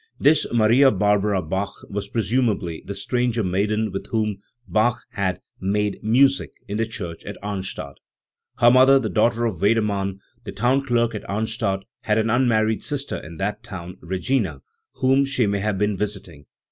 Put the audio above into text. This Maria Barbara Bach was presumably the "stranger maiden" with whom Bach had "made music" in the church at Arnstadt. Her mother, the daughter of Wedermann, the town clerk at Arnstadt, had an unmarried sister in that town, Regina, whom she may have been visiting.